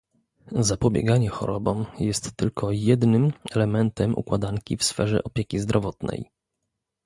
Zapobieganie chorobom jest tylko jednym elementem układanki w sferze opieki zdrowotnej